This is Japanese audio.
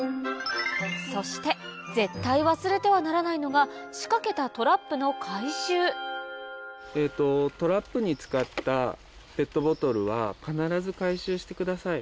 そして絶対忘れてはならないのが仕掛けたトラップの回収トラップに使ったペットボトルは必ず回収してください。